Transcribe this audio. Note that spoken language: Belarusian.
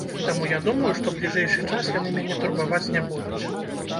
Таму я думаю, што бліжэйшы час яны мяне турбаваць не будуць.